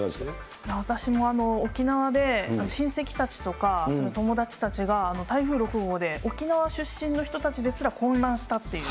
私も沖縄で親戚たちとか、友達たちが台風６号で、沖縄出身の人たちですら混乱したっていう。